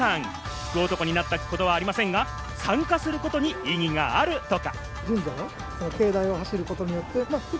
福男になったことはありませんが、参加することに意義があるとか。